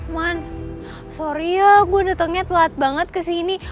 man sorry ya gue datangnya telat banget kesini